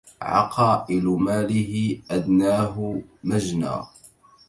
عقائل ماله أدناه مجنى